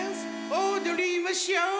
おどりましょ。